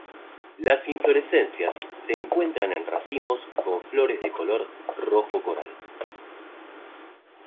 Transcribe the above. Las inflorescencias se encuentran en racimos con flores de color rojo coral.